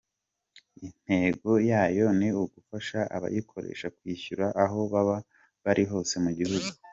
Intego yayo ni ugufasha abayikoresha kwishyura aho baba bari hose mu gihugu.